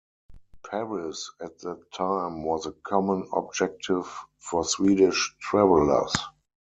Paris at that time was a common objective for Swedish travelers.